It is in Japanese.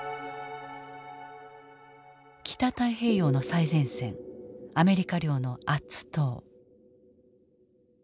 北太平洋の最前線アメリカ領のアッツ島。